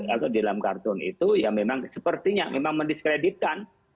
atau di dalam kartun itu ya memang sepertinya memang mendiskreditkan